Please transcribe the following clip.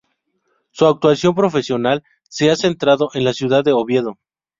Su actuación profesional se ha centrado en la ciudad de Oviedo.